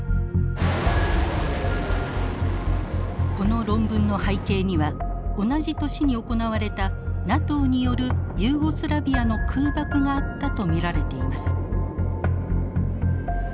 この論文の背景には同じ年に行われたＮＡＴＯによるユーゴスラビアの空爆があったと見られています。